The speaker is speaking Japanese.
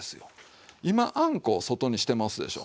今あんこを外にしてますでしょ。